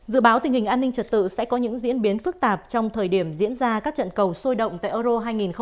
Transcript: dự báo tình hình an ninh trật tự sẽ có những diễn biến phức tạp trong thời điểm diễn ra các trận cầu sôi động tại euro hai nghìn hai mươi